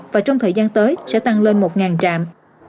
và trong thời gian tới sẽ tăng lên một trạm